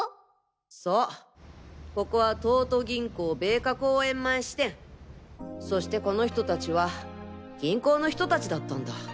そうここは東都銀行米花公園前支店そしてこの人達は銀行の人達だったんだ。